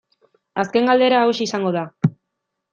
Azken galdera hauxe izango da.